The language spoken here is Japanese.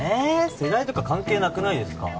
世代とか関係なくないですか？